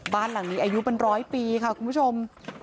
บ้านหลังนี้อายุเป็นร้อยปีค่ะคุณผู้ชม